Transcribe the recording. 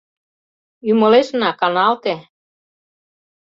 Ӱмылешна каналте!